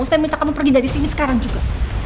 saya minta kamu pergi dari sini sekarang juga